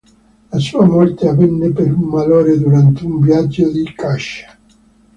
La sua morte avvenne per un malore durante un viaggio di caccia.